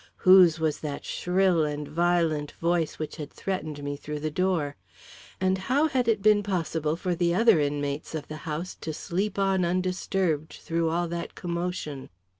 Whose was that shrill and violent voice which had threatened me through the door? And how had it been possible for the other inmates of the house to sleep on undisturbed through all that commotion?